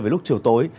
về lúc chiều tối